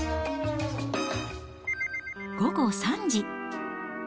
午後３時。